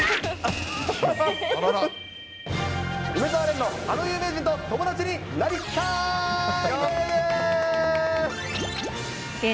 梅澤廉のあの有名人と友達になりたい、イエーイ。